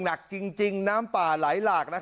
หนักจริงน้ำป่าไหลหลาก